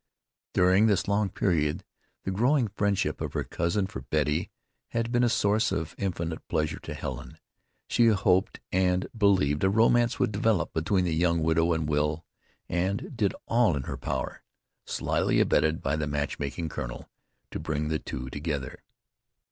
During this long period the growing friendship of her cousin for Betty had been a source of infinite pleasure to Helen. She hoped and believed a romance would develop between the young widow and Will, and did all in her power, slyly abetted by the matchmaking colonel, to bring the two together.